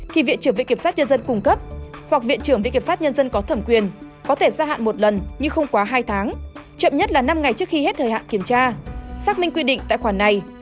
thì viện trưởng viện kiểm sát nhân dân cung cấp hoặc viện trưởng viện kiểm sát nhân dân có thẩm quyền có thể gia hạn một lần nhưng không quá hai tháng chậm nhất là năm ngày trước khi hết thời hạn kiểm tra xác minh quy định tài khoản này